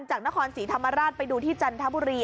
จากนครศรีธรรมราชไปดูที่จันทบุรี